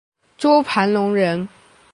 周盘龙人。